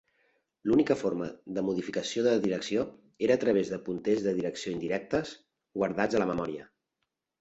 L'única forma de modificació de la direcció era a través de punters de direcció indirectes guardats a la memòria.